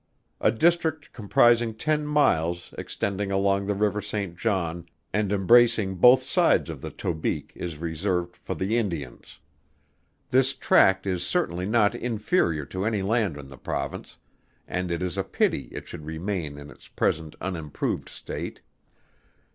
A district comprising ten miles extending along the river Saint John and embracing both sides of the Tobique is reserved for the Indians. This tract is certainly not inferior to any land in the Province, and it is a pity it should remain in its present unimproved state.